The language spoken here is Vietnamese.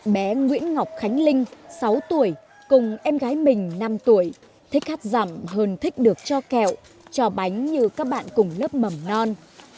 bé nguyễn ngọc khánh linh sáu tuổi cùng em gái mình năm tuổi thích hát rằm hơn thích được cho kẹo cho bánh như các bạn cùng lớp mầm non